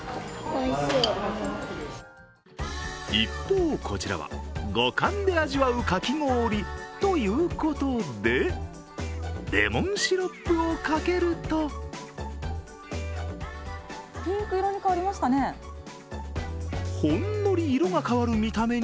一方、こちらは五感で味わうかき氷ということでレモンシロップをかけるとピンク色に変わりましたね。